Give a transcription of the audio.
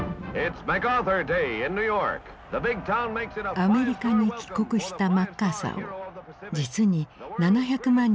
アメリカに帰国したマッカーサーを実に７００万人が迎えた。